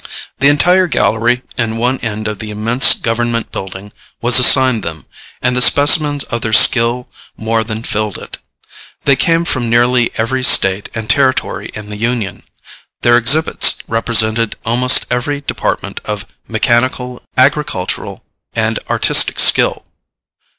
The entire gallery in one end of the immense Government building was assigned them, and the specimens of their skill more than filled it. They came from nearly every State and Territory in the Union. Their exhibits represented almost every department of mechanical, agricultural and artistic skill.